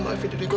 terat lu tau gak